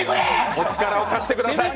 お力を貸してください。